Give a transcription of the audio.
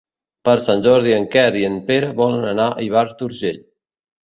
Per Sant Jordi en Quer i en Pere volen anar a Ivars d'Urgell.